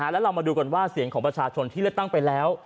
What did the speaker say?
เรามาดูก่อนว่าเสียงของประชาชนที่ตั้งไปแล้ว